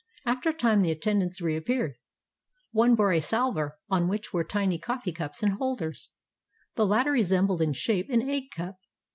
After a time the attend ants reappeared. One bore a salver on which were tiny coffee cups in holders. The latter resembled in shape an egg cup.